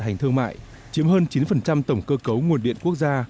điện mặt trời đã được đưa vào vận hành thương mại chiếm hơn chín tổng cơ cấu nguồn điện quốc gia